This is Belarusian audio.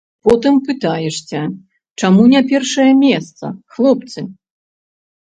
Потым пытаешся, чаму не першае месца, хлопцы?